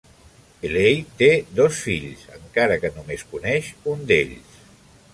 Elaith té dos fills, encara que només coneix un d'ells.